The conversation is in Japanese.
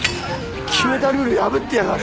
決めたルール破ってやがる。